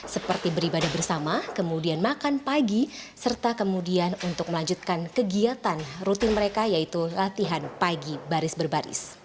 seperti beribadah bersama kemudian makan pagi serta kemudian untuk melanjutkan kegiatan rutin mereka yaitu latihan pagi baris berbaris